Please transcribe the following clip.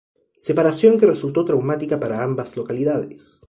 Separación que resultó traumática para ambas localidades.